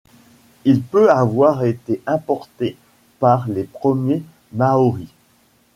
Il peut avoir été importé par les premiers Maoris.